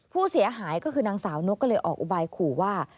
ผู้เสียหายก็คือนางสาวนกก็เลยออกอุบายขู่ว่า